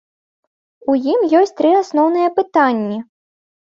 У ім ёсць тры асноўныя пытанні.